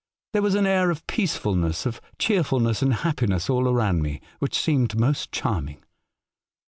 There was an air of peacefulness, of cheerfulness and happiness, all around me, which seemed most charming.